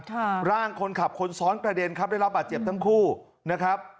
ร่างคนขับคนซ้อนกระเด็นครับได้รับบาดเจ็บทั้งคู่นะครับ